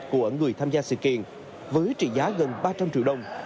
của người tham gia sự kiện với trị giá gần ba trăm linh triệu đồng